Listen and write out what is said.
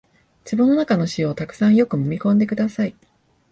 壺の中の塩をたくさんよくもみ込んでください